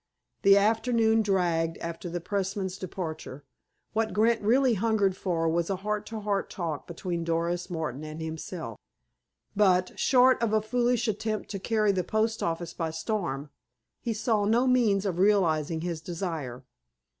The afternoon dragged after the pressman's departure. What Grant really hungered for was a heart to heart talk between Doris Martin and himself. But, short of a foolish attempt to carry the post office by storm, he saw no means of realizing his desire.